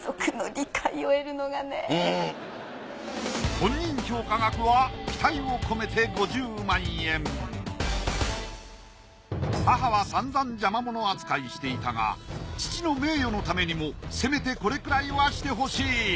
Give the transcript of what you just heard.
本人評価額は期待を込めて５０万円母はさんざん邪魔者扱いしていたが父の名誉のためにもせめてこれくらいはしてほしい。